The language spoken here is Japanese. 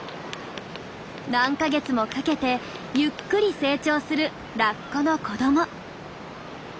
何か月もかけてゆっくり成長するラッコの子ども。